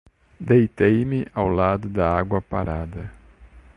Deitei-me ao lado da água parada.